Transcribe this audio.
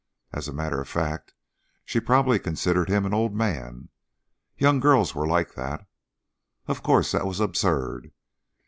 As a matter of fact, she probably considered him an old man young girls were like that. Of course, that was absurd.